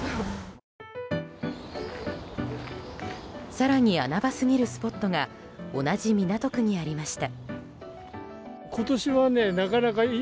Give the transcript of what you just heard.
更に穴場すぎるスポットが同じ港区にありました。